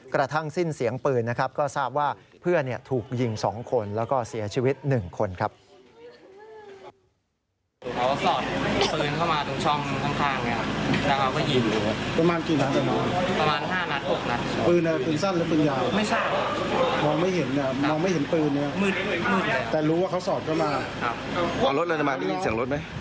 กระทั่งสิ้นเสียงปืนนะครับก็ทราบว่าเพื่อนถูกยิง๒คนแล้วก็เสียชีวิต๑คนครับ